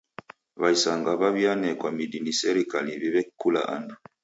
W'aisanga w'aw'ianekwa midi ni serikali w'iw'e kula andu.